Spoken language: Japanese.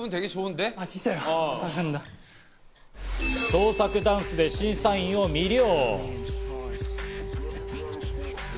創作ダンスで審査員を魅了。